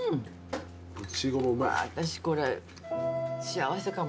私これ幸せかも。